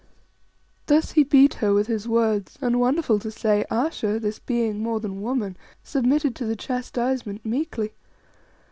Thus he beat her with his words, and, wonderful to say, Ayesha, this being more than woman, submitted to the chastisement meekly.